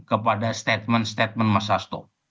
kepada statement statement mas hasto